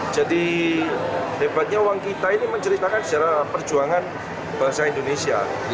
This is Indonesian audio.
jadi debatnya uang kita ini menceritakan sejarah perjuangan bangsa indonesia